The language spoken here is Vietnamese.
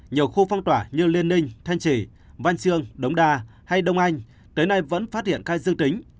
nhiều khu phong tỏa như liên minh thanh trì văn chương đống đa hay đông anh tới nay vẫn phát hiện ca dương tính